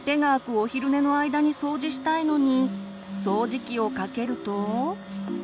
お昼寝の間に掃除したいのに掃除機をかけると。